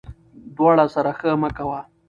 ـ د واړه سره ښه مه کوه ،